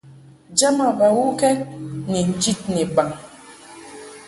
Jama bawukɛd ni njid ni baŋ.